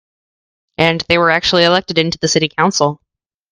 And they actually were elected into the city council.